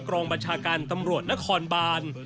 กองบัญชาการตำรวจนครบาน